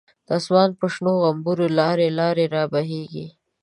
د آسمان په شنو غومبرو، لاری لاری رابهیږی